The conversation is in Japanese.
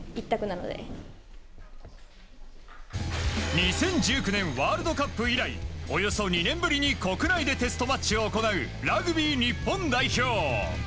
２０１９年ワールドカップ以来およそ２年ぶりに国内でテストマッチを行うラグビー日本代表。